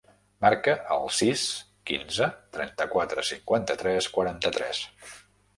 Marca el sis, quinze, trenta-quatre, cinquanta-tres, quaranta-tres.